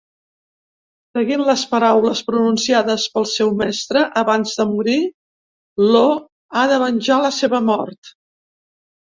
Seguint les paraules pronunciades pel seu mestre abans de morir, Lo ha de venjar la seva mort.